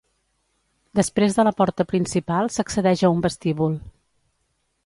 Després de la porta principal s'accedeix a un vestíbul.